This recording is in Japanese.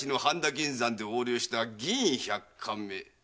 銀山で横領した銀百貫目。